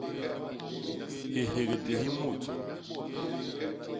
Hihégdé hi mut.